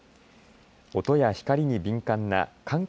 音や光に敏感な感覚